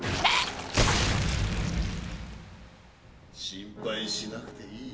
心配しなくていい。